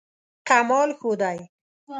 کمال ښودی.